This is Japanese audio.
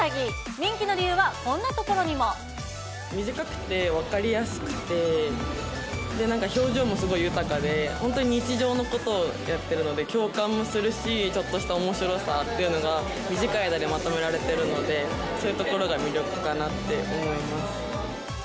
人気の理由はこんなところにも。短くて分かりやすくて、表情もすごい豊かで、本当に日常のことをやってるので、共感もするし、ちょっとしたおもしろさっていうのが、短い間にまとめられてるので、そういうところが魅力かなって思います。